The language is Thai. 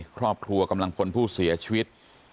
ครอบครัวกำลังพลผู้เสียชีวิต